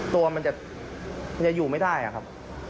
ตัวมันจะอยู่ไม่ได้อะครับ